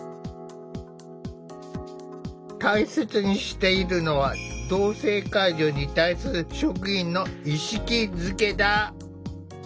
大切にしているのは同性介助に対する職員の意識づけだ。